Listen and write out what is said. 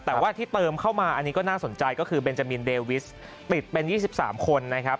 แต่ว่าที่เติมเข้ามาอันนี้ก็น่าสนใจก็คือเบนจามินเดวิสปิดเป็น๒๓คนนะครับ